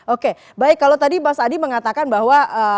oke baik kalau tadi pak saadi mengatakan bahwa